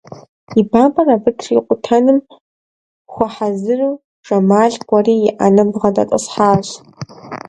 И бампӀэр абы трикъутэным хуэхьэзыру Жэмал кӀуэри и ӏэнэм бгъэдэтӀысхьащ.